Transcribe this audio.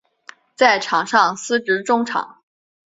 在场上司职中场。